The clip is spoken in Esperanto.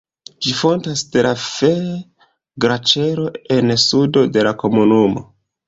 Ĝi fontas de la Fee-Glaĉero en sudo de la komunumo.